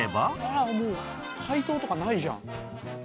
あらもう解凍とかないじゃん。